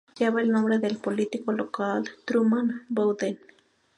Lleva el nombre del político local Truman Bodden.